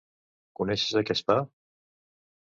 Coneixes aquest pa